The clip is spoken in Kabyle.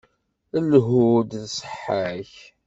Lhu-d d ṣṣeḥḥa-k.